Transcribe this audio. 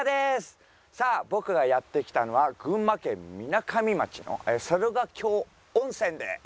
さあ僕がやって来たのは群馬県みなかみ町の猿ヶ京温泉です。